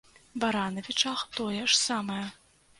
Баранавічах тое ж самае.